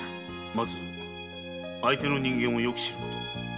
まず相手の人間をよく知ること。